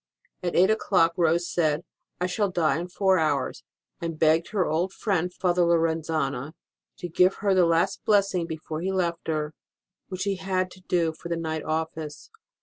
At eight o clock Rose said, I shall die in four hours, and begged her old friend Father Lorenzana to give her the last blessing before he left her, which he had to do for the night office.